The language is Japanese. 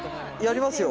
やりますよ？